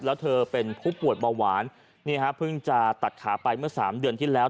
แล้วเธอเป็นผู้ป่วยเบาหวานเพิ่งจะตัดขาไปเมื่อ๓เดือนที่แล้ว